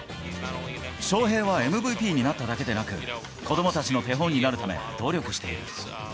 翔平はＭＶＰになっただけでなく、子どもたちの手本になるため努力している。